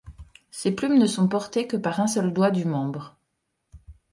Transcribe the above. Ces plumes ne sont portées que par un seul doigt du membre.